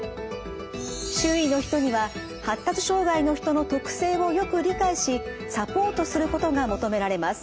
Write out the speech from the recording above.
周囲の人には発達障害の人の特性をよく理解しサポートすることが求められます。